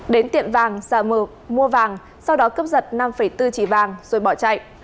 đến tiện vàng sợ mượt mua vàng sau đó cấp giật năm bốn trị vàng rồi bỏ chạy